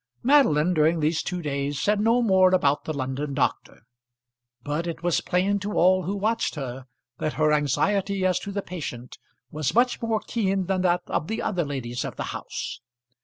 Madeline during these two days said no more about the London doctor; but it was plain to all who watched her that her anxiety as to the patient was much more keen than that of the other ladies of the house.